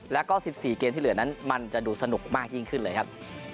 แล้วก็๑๔เกมที่เหลือนั้นมันจะดูสนุกมากยิ่งขึ้นเลยครับ